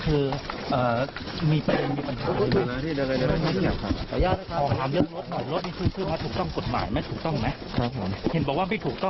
เห็นบอกว่าไม่ถูกต้องฮะ